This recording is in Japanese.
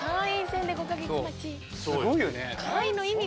すごいよね。